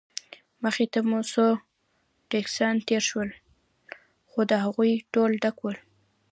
مخې ته مو څو ټکسیان تېر شول، خو هغوی ټول ډک ول.